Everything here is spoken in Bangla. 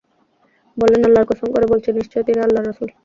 বললেন, আল্লাহর কসম করে বলছি, নিশ্চয় তিনি আল্লাহর রাসূল।